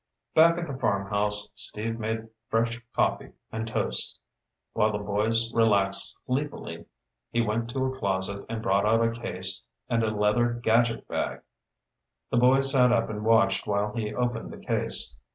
Back at the farmhouse, Steve made fresh coffee and toast. While the boys relaxed sleepily, he went to a closet and brought out a case and a leather gadget bag. The boys sat up and watched while he opened the case.